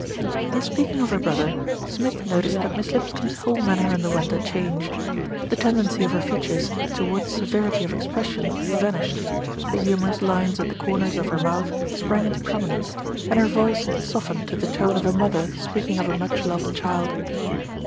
In speaking of her brother, Smith noticed that Miss Lipscombe's whole manner underwent a change. The tendency of her features towards severity of expression vanished, the humorous lines at the corners of her mouth sprang into prominence, and her voice softened to the tone of a mother speaking of a much loved child.